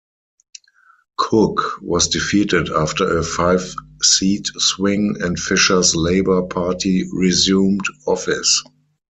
Cook was defeated after a five-seat swing, and Fisher's Labor Party resumed office.